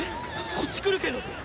こっち来るけど。